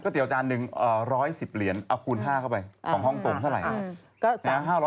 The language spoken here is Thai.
เตี๋จานหนึ่ง๑๑๐เหรียญเอาคูณ๕เข้าไปของฮ่องกงเท่าไหร่